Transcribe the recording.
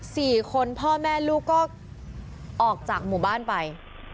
สี่คนพ่อแม่ลูกก็ออกจากหมู่บ้านไป